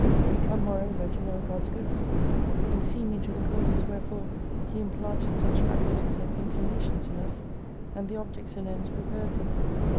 We come moreover to know God's goodness, in seeing into the causes wherefore He implanted such faculties and inclinations in us, and the objects and ends prepared for them.